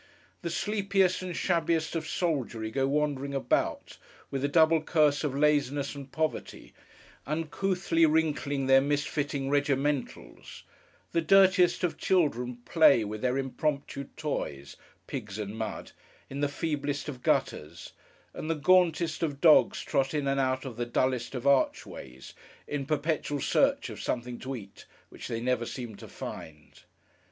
The sleepiest and shabbiest of soldiery go wandering about, with the double curse of laziness and poverty, uncouthly wrinkling their misfitting regimentals; the dirtiest of children play with their impromptu toys (pigs and mud) in the feeblest of gutters; and the gauntest of dogs trot in and out of the dullest of archways, in perpetual search of something to eat, which they never seem to find.